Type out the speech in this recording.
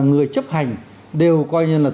người chấp hành đều coi như là